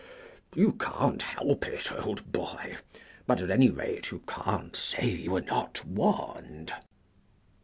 You can't help it, old boy; but, at any rate, you can't say you were not warned."